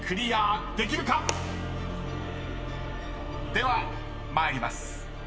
［では参ります］